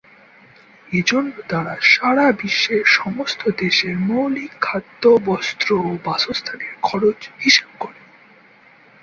এজন্য তারা সারা বিশ্বের সমস্ত দেশের মৌলিক খাদ্য, বস্ত্র ও বাসস্থানের খরচ হিসাব করে।